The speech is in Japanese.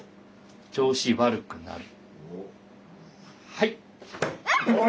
はい。